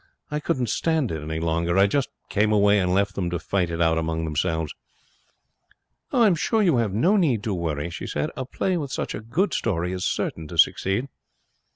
I couldn't stand it any longer. I just came away and left them to fight it out among themselves.' 'I'm sure you have no need to worry. A play with such a good story is certain to succeed.'